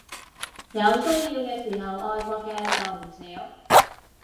有需要嘅時候愛國嘅就唔少